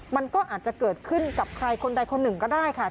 มันก็อาจจะเกิดขึ้นกับใครคนใดคนหนึ่งก็ได้ค่ะ